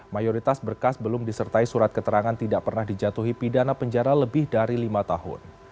mayoritas berkas belum disertai surat keterangan tidak pernah dijatuhi pidana penjara lebih dari lima tahun